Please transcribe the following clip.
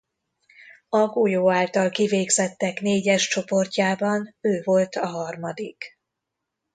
A golyó által kivégzettek négyes csoportjában ő volt a harmadik.